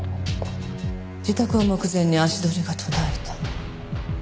自宅を目前に足取りが途絶えた。